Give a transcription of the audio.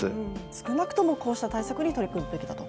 少なくともこうした対策に取り組むべきだと。